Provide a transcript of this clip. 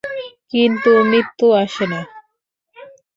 কিন্তু, মৃত্যু আসে না।